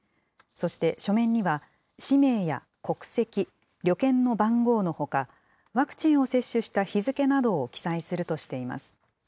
そして、書面には氏名や国籍、旅券の番号のほか、ワクチンを接種した日付などを記載するとしています。